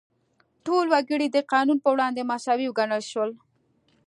ټول وګړي د قانون په وړاندې مساوي وګڼل شول.